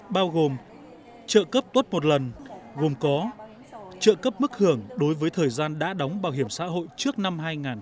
bao gồm trợ cấp tuất một lần gồm có trợ cấp mức hưởng đối với thời gian đã đóng bảo hiểm xã hội trước năm hai nghìn hai mươi